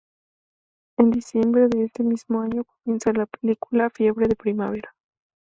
En diciembre de ese mismo año comienza la película "Fiebre de primavera".